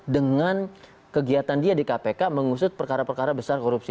dengan kegiatan dia di kpk mengusut perkara perkara besar korupsi